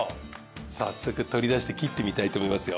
早速取り出して切ってみたいと思いますよ。